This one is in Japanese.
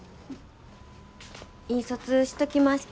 印刷しときました。